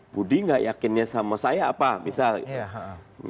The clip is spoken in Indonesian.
budi gak yakinnya sama saya apa misalnya